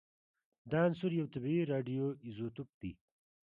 دا عنصر یو طبیعي راډیو ایزوتوپ دی